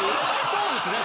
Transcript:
そうですね。